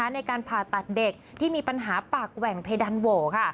ในการผ่าตัดเด็กที่มีปัญหาปากแหว่งเพดานโหวค่ะ